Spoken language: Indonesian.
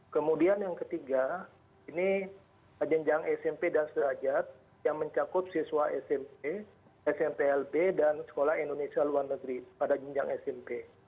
kemudian yang ketiga ini jenjang smp dan sederajat yang mencakup siswa smp smplb dan sekolah indonesia luar negeri pada jenjang smp